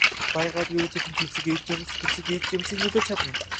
Яагаад гэвэл зөвхөн физик эд юмс физик эд юмсад нөлөөлж чадна.